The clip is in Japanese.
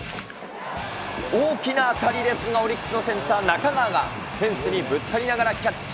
大きな当たりですが、オリックスのセンター、中川が、フェンスにぶつかりながらキャッチ。